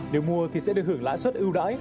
nếu mua thì sẽ được hưởng lã xuất ưu đãi